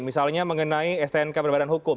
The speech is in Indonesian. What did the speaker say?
misalnya mengenai stnk berbadan hukum